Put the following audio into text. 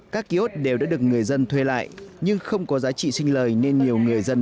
các ký ốt đều đã được người dân thuê lại nhưng không có giá trị sinh lời nên nhiều người dân